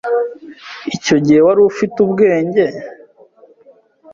Icyo gihe wari ufite ubwenge?